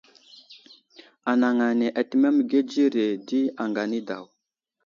Anaŋ ane atəmeŋ məgiya dzire di aŋga anidaw.